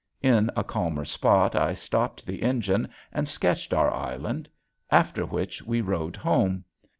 In a calmer spot I stopped the engine and sketched our island; after which we rowed home.